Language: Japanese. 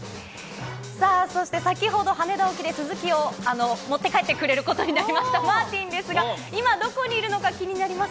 さあ、そして先ほど、羽田沖でスズキを持って帰ってくれることになりました、マーティンですが、今、どこにいるのか気になります。